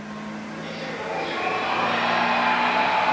２７匹です！